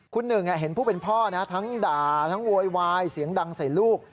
คุณหนึ่งเห็นผู้เป็นพ่อทั้งด่าทั้งโวยวายเสียงดังใส่ลูก